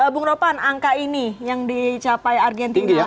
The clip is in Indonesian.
bung ropan angka ini yang dicapai argentina